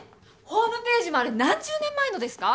ホームページもあれ何十年前のですか？